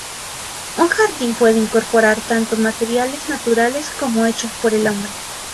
Un jardín puede incorporar tanto materiales naturales como hechos por el hombre.